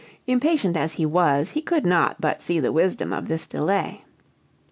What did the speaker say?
Impatient as he was, he could not but see the wisdom of this delay.